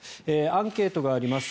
アンケートがあります。